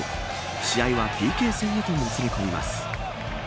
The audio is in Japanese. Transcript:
試合はＰＫ戦へともつれ込みます。